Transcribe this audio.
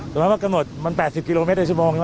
สมมติว่ากำหนด๘๐กิโลเมตรต่อชั่วโมง